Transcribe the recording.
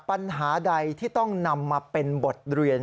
ปัญหาใดที่ต้องนำมาเป็นบทเรียน